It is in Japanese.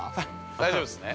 ◆大丈夫ですね。